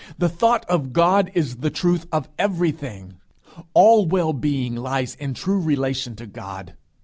The thought of God is the truth of everything. All well being lies in true relation to God.